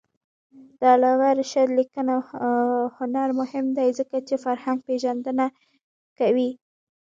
د علامه رشاد لیکنی هنر مهم دی ځکه چې فرهنګپېژندنه کوي.